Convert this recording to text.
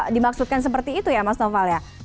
dimaksudkan seperti itu ya mas noval ya